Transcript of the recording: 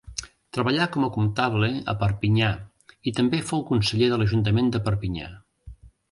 Treballà com a comptable a Perpinyà i també fou conseller de l'ajuntament de Perpinyà.